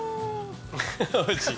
おいしい？